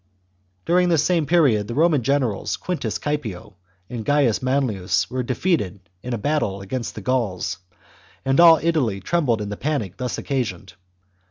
cxfv' During this same period the Roman generals Quintus Caepio and Gains Manlius were defeated in a battle against the Gauls, and all Italy trembled in the panic thus occasioned.